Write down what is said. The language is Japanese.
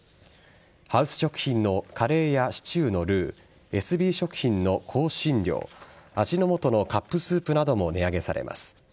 ハウス食品のカレーやシチューのルーエスビー食品の香辛料味の素のカップスープなども値上げされます。